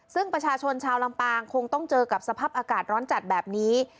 ซึ่งประชาชนชาวลำปางคงต้องเจอกับสภาพอากาศร้อนจัดแบบนี้